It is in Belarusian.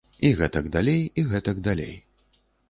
І гэтак далей, і гэтак далей.